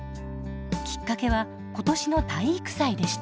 きっかけは今年の体育祭でした。